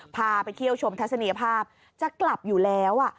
พาไปเที่ยวชมทัศนียภาพจะกลับอยู่แล้ว